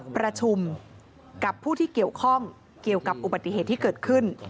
ประชุมกับผู้ที่เกี่ยวข้องเกี่ยวกับอุบัติเหตุที่เกิดขึ้น